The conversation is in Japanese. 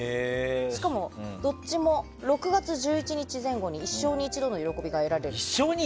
しかもどっちも６月１１日前後に一生に一度の喜びが得られる。